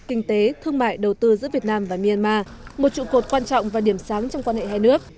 kinh tế thương mại đầu tư giữa việt nam và myanmar một trụ cột quan trọng và điểm sáng trong quan hệ hai nước